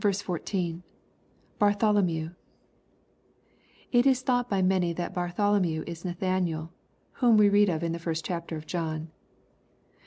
14. — [Bartholomew.] It is thought by many that Bartholomew is Nathanael, whom we read of in the first chapter of John.